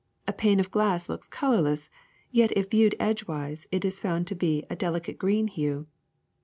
A pane of glass looks colorless, yet if viewed edgewise it is found to be of a delicate green hue.